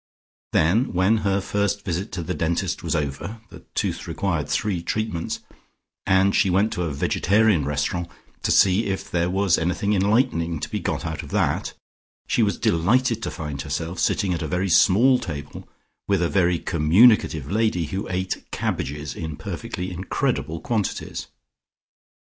Then when her first visit to the dentist was over (the tooth required three treatments) and she went to a vegetarian restaurant to see if there was anything enlightening to be got out of that, she was delighted to find herself sitting at a very small table with a very communicative lady who ate cabbages in perfectly incredible quantities.